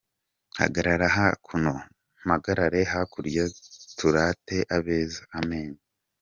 Hagarara hakuno, mpagarare hakurya turate abeza:Amenyo.